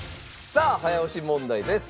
さあ早押し問題です。